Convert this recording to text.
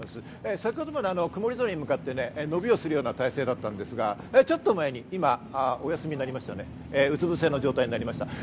先程まで曇り空に向かって、伸びをする体勢だったんですが、ちょっと前に今、お休みになりましたよね、うつぶせの状態になりました。